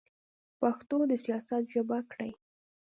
پښتو د سیاست ژبه کړئ.